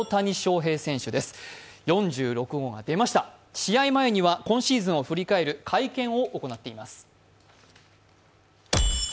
試合前には今シーズンを振り返る会見を行っています。